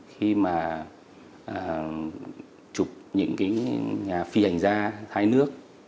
khi mà chụp những nhà phi hành gia thái nước